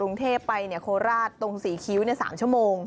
กรุงเทพไปโคราชตรงศรีคิ้ว๓ชั่วโมง